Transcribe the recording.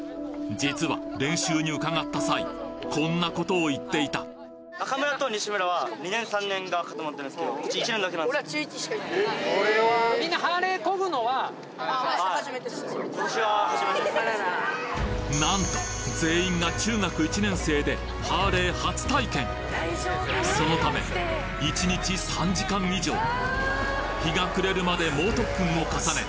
実は練習に伺った際こんな事を言っていたなんと全員が中学１年生でハーレー初体験そのため１日３時間以上日が暮れるまで猛特訓を重ね